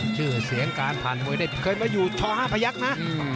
ชื่อเสียงการผ่านมวยได้เคยมาอยู่ช๕พยักษ์นะ